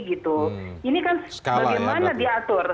ini kan bagaimana diatur